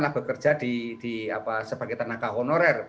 karena bekerja sebagai tenaga honorer